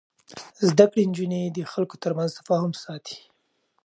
زده کړې نجونې د خلکو ترمنځ تفاهم ساتي.